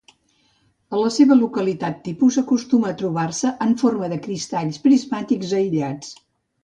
A la seva localitat tipus acostuma a trobar-se en forma de cristalls prismàtics aïllats.